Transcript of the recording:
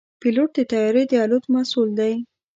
پيلوټ د طیارې د الوت مسؤل دی.